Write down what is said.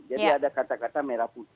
jadi ada kata kata merah putih